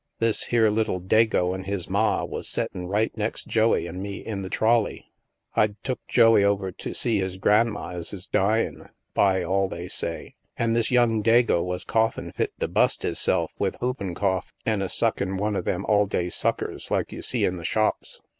This here little Dago an' his ma was settin' right next Joey an' me in the trolley. I'd took Joey over to see his gran'ma as is dyin', by all they say. An' this young Dago was coughin' fit to bust hisself with whoopin' cough, an' a suckin' one of them all day sudcers like you see in the shops.